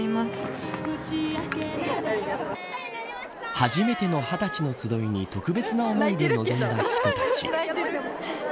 初めての二十歳の集いに特別な思いで臨んだ人たち。